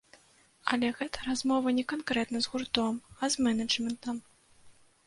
Але гэта размова не канкрэтна з гуртом, а з мэнэджмэнтам.